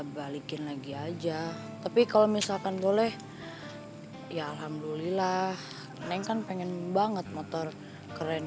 balikin lagi aja tapi kalau misalkan boleh ya alhamdulillah neng kan pengen banget motor keren